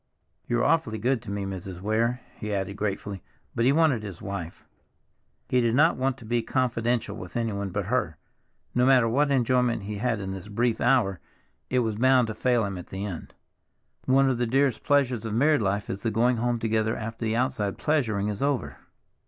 You're awfully good to me, Mrs. Weir," he added gratefully; but he wanted his wife—he did not want to be confidential with anyone but her. No matter what enjoyment he had in this brief hour, it was bound to fail him at the end. One of the dearest pleasures of married life is the going home together after the outside pleasuring is over.